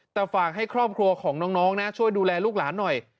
แต่ฝากให้ครอบครัวของน้องนะช่วยดูแลลูกหลานหน่อย